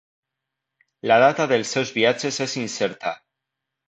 La data dels seus viatges és incerta.